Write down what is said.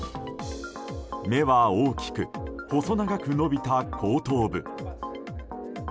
目は大きく細長く伸びた後頭部。